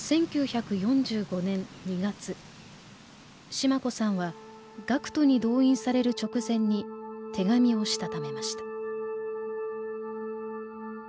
シマ子さんは学徒に動員される直前に手紙をしたためました。